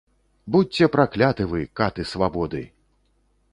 Будзьце пракляты вы, каты свабоды!